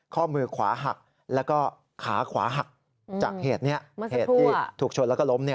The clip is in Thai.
ข้อมือขวาหักแล้วก็ขาขวาหักจากเหตุนี้เหตุที่ถูกชนแล้วก็ล้ม